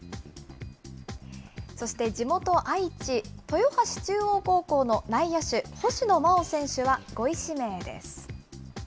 そして地元愛知・豊橋中央高校の内野手、星野真生選手は５位指名です。